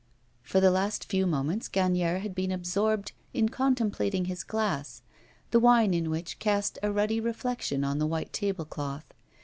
For the last few moments Gagnière had been absorbed in contemplating his glass, the wine in which cast a ruddy reflection on the white tablecloth.